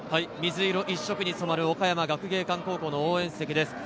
水色、一緒に攻める岡山学芸館高校の応援席です。